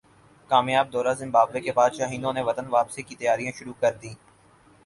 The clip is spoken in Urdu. کامیاب دورہ زمبابوے کے بعد شاہینوں نے وطن واپسی کی تیاریاں شروع کردیں